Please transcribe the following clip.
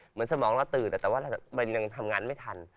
สมองเราตื่นแต่ว่ามันยังทำงานไม่ทัน